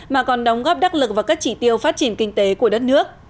mà còn đóng góp đắc lực vào các chỉ tiêu phát triển kinh tế của đất nước